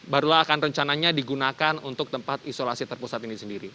barulah akan rencananya digunakan untuk tempat isolasi terpusat ini sendiri